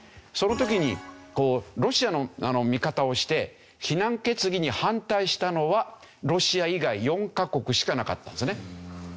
その時にロシアの味方をして非難決議に反対したのはロシア以外４カ国しかなかったんですね。